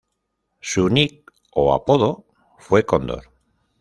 Su nick o apodo fue Cóndor.